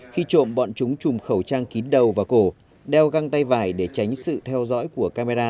khi trộm bọn chúng chùm khẩu trang kín đầu và cổ đeo găng tay vải để tránh sự theo dõi của camera